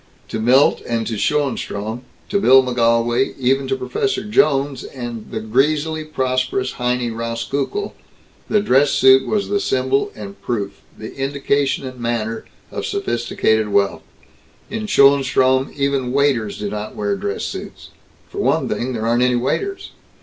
To Milt and to Schoenstrom to Bill McGolwey, even to Prof Jones and the greasily prosperous Heinie Rauskukle the dress suit was the symbol and proof, the indication and manner, of sophisticated wealth. In Schoenstrom even waiters do not wear dress suits. For one thing there aren't any waiters.